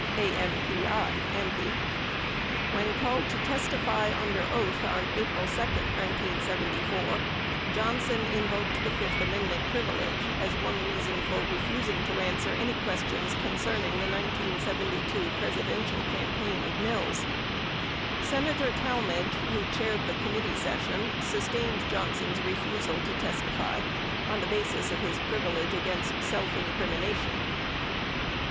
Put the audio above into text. (AMPI). When called to testify under oath on April 2, 1974, Johnson invoked the Fifth Amend ment privilege as one reason for refusing to answer any questions concerning the 1972 Presidential campaign of Mills. Senator Tal madge, who chaired the committee session, sustained Johnson's refusal to testify on the basis of his privilege against self incrimination.